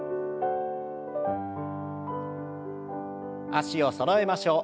脚をそろえましょう。